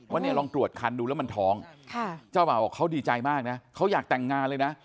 ว่าเนี่ยลองตรวจคันดูแล้วมันท้องเจ้าบ่าวบอกเขาดีใจมากนะเขาอยากแต่งงานเลยนะ